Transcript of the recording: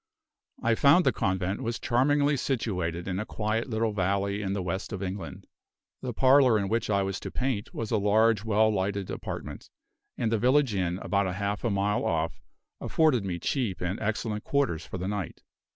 I found the convent was charmingly situated in a quiet little valley in the West of England. The parlor in which I was to paint was a large, well lighted apartment; and the village inn, about half a mile off, afforded me cheap and excellent quarters for the night.